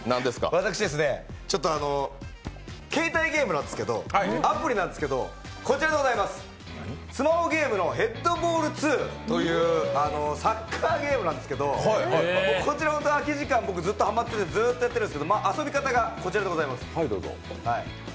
私、携帯ゲームのアプリなんですけど、スマホゲームの「ヘッドボール２」というサッカーゲームなんですけど、こちら、空き時間、ずっとハマっててずっとやってるんですけど、遊び方が、こちらです。